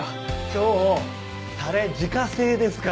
今日タレ自家製ですから。